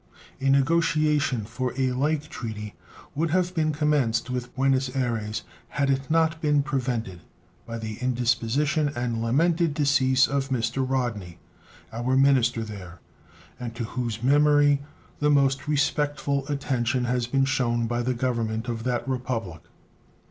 A negotiation for a like treaty would have been commenced with Buenos Ayres had it not been prevented by the indisposition and lamented decease of Mr. Rodney, our minister there, and to whose memory the most respectful attention has been shewn by the Government of that Republic.